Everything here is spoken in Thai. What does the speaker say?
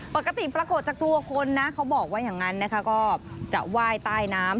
ปกติปรากฏจากตัวคนนะเขาบอกว่างั้นก็จะว่ายใต้น้ำ